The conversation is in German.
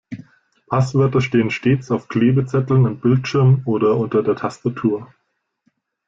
Passwörter stehen stets auf Klebezetteln am Bildschirm oder unter der Tastatur.